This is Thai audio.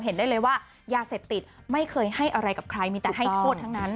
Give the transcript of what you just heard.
เห็นได้เลยว่ายาเสพติดไม่เคยให้อะไรกับใครมีแต่ให้โทษทั้งนั้น